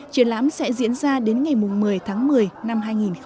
triển lãm sẽ diễn ra đến ngày một mươi tháng một mươi năm hai nghìn hai mươi